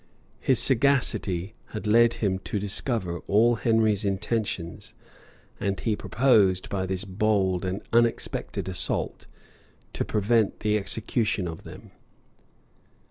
His sagacity had led him to discover all Henry's intentions; and he proposed, by this bold and unexpected assault, to prevent the execution of them.